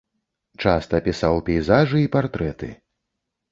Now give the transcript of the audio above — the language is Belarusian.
Часта пісаў пейзажы і партрэты.